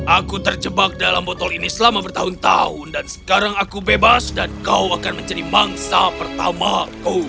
aku terjebak dalam botol ini selama bertahun tahun dan sekarang aku bebas dan kau akan menjadi mangsa pertamaku